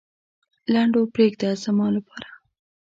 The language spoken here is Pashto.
لنډو پرېږده زما لپاره.